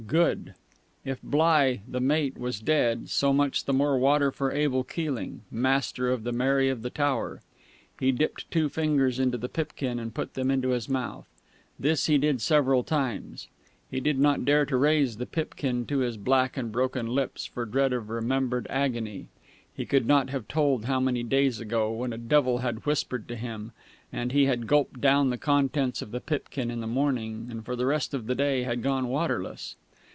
Good. If Bligh, the mate, was dead, so much the more water for Abel Keeling, master of the Mary of the Tower. He dipped two fingers into the pipkin and put them into his mouth. This he did several times. He did not dare to raise the pipkin to his black and broken lips for dread of a remembered agony, he could not have told how many days ago, when a devil had whispered to him, and he had gulped down the contents of the pipkin in the morning, and for the rest of the day had gone waterless....